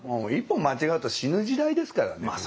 一歩間違うと死ぬ時代ですからね。